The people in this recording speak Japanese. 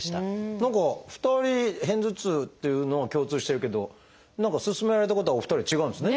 何か２人片頭痛っていうのは共通してるけど何か勧められたことはお二人違うんですね。